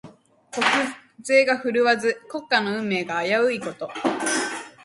国勢が振るわず、国家の運命が危ういこと。